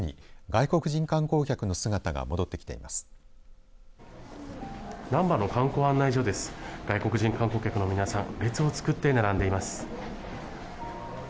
外国人観光客の皆さん列を作って並んでいます。